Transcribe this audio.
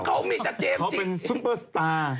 เขามีจักรเจมส์จริงเขาเป็นซุปเปอร์สตาร์